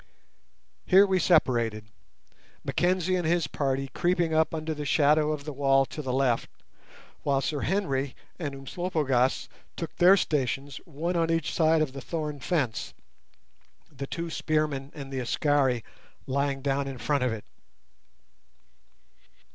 Here we separated; Mackenzie and his party creeping up under the shadow of the wall to the left, while Sir Henry and Umslopogaas took their stations one on each side of the thorn fence, the two spearmen and the Askari lying down in front of it.